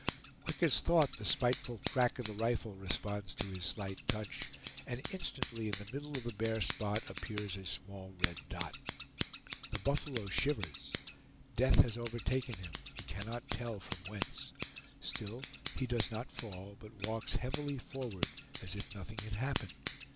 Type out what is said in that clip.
Quick as thought the spiteful crack of the rifle responds to his slight touch, and instantly in the middle of the bare spot appears a small red dot. The buffalo shivers; death has overtaken him, he cannot tell from whence; still he does not fall, but walks heavily forward, as if nothing had happened.